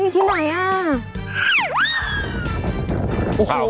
ที่ไหนอ่ะ